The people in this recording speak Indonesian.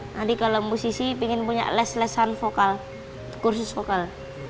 nanti kalau musisi ingin punya kursus vokal